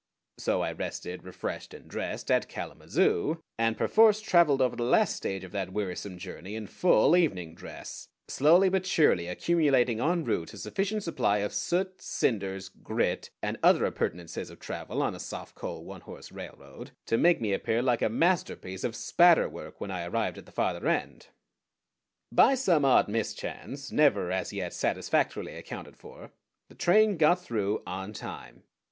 So I rested, refreshed, and dressed at Kalamazoo, and perforce traveled over the last stage of that wearisome journey in full evening dress, slowly but surely accumulating en route a sufficient supply of soot, cinders, grit, and other appurtenances of travel on a soft coal, one horse railroad, to make me appear like a masterpiece of spatterwork when I arrived at the farther end. By some odd mischance, never as yet satisfactorily accounted for, the train got through on time.